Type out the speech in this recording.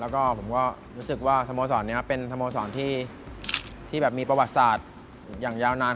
ก็รู้สึกว่าสมสอนนี้เป็นสมสอนที่มีประวัติศาสตร์อย่างยาวนาน